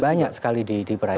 banyak sekali di perairan